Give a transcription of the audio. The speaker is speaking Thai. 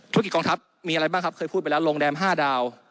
กองทัพมีอะไรบ้างครับเคยพูดไปแล้วโรงแรม๕ดาว